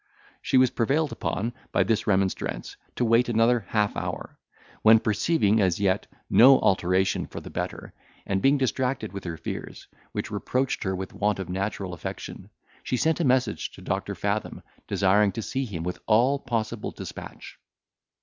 She was prevailed upon, by this remonstrance, to wait another half hour, when perceiving, as yet, no alteration for the better, and being distracted with her fears, which reproached her with want of natural affection, she sent a message to Doctor Fathom, desiring to see him with all possible despatch.